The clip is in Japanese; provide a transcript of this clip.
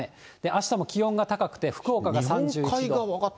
あしたも気温が高くて、福岡が３１度。